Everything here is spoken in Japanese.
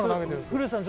古田さん